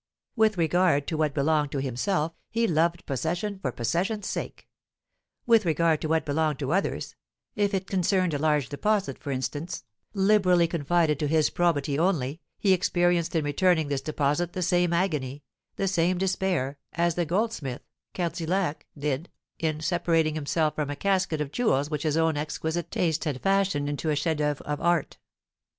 With regard to what belonged to himself, he loved possession for possession's sake; with regard to what belonged to others, if it concerned a large deposit, for instance, liberally confided to his probity only, he experienced in returning this deposit the same agony, the same despair, as the goldsmith, Cardillac, did in separating himself from a casket of jewels which his own exquisite taste had fashioned into a chef d'oeuvre of art.